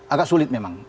agak sulit memang